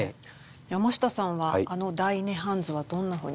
山下さんはあの「大涅槃図」はどんなふうにご覧になります？